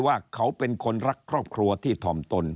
ว่าเขาเป็นคนรักครอบครัวที่ถ่อมตน